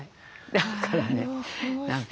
だからね何か。